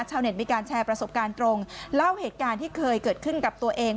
มีการแชร์ประสบการณ์ตรงเล่าเหตุการณ์ที่เคยเกิดขึ้นกับตัวเอง